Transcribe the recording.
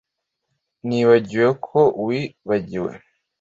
nibagiwe ko wibagiwe